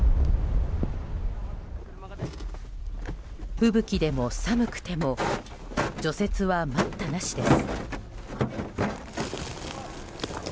吹雪でも寒くても除雪は待ったなしです。